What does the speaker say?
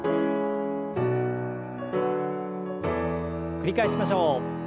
繰り返しましょう。